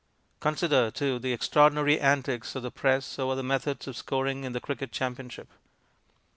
Consider, too, the extraordinary antics of the press over the methods of scoring in the cricket championship.